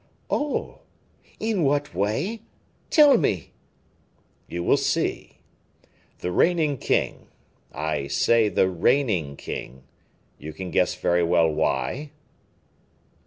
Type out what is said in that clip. "Oh! in what way? Tell me." "You will see. The reigning king I say the reigning king you can guess very well why?"